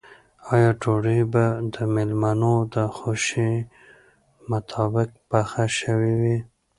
آیا ډوډۍ به د مېلمنو د خوښې مطابق پخه شوې وي؟